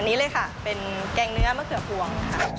นี้เลยค่ะเป็นแกงเนื้อมะเขือพวงค่ะ